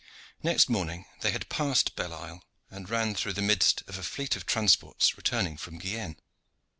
Next morning they had passed Belle Isle, and ran through the midst of a fleet of transports returning from Guienne.